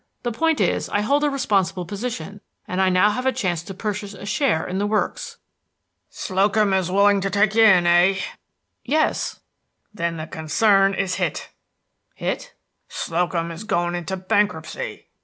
The point is, I hold a responsible position, and I now have a chance to purchase a share in the works." "Slocum is willing to take you in, eh?" "Yes." "Then the concern is hit." "Hit?" "Slocum is going into bankruptcy."